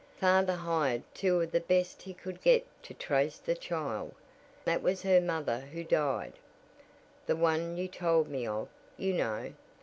Father hired two of the best he could get to trace the child that was her mother who died, the one you told me of, you know.